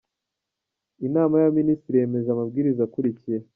Inama y‟Abaminisitiri yemeje amabwiriza akurikira :